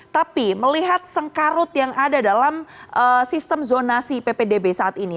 tapi melihat sengkarut yang ada dalam sistem zonasi ppdb saat ini